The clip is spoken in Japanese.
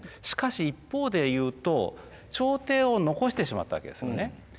しかし一方で言うと朝廷を残してしまったわけですよね。